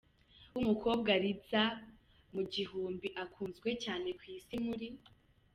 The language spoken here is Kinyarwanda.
w’umukobwa riza mu guhumbi akunzwe cyane ku Isi muri